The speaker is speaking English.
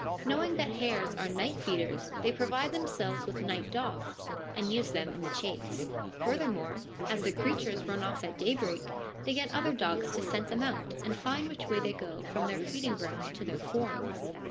Knowing that hares are night feeders, they provide themselves with night dogs, and use them in the chase. Further more, as the creatures run off at daybreak, they get other dogs to scent them out and find which way they go from their feeding ground to their forms.